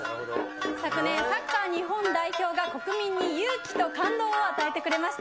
昨年、サッカー日本代表が国民に勇気と感動を与えてくれました。